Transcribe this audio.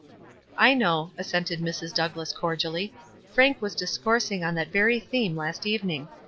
"I know," assented Mrs. Douglass cordially. ,J Frank was discoursing on that very theme last evening.